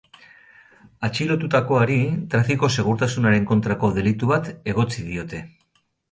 Atxilotutakoari trafiko segurtasunaren kontrako delitu bat egotzi diote.